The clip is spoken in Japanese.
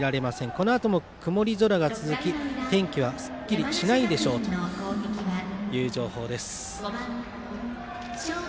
このあとも、曇り空が続き天気はすっきりしないでしょうという情報です。